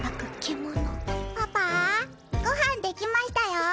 パパーご飯できましたよ。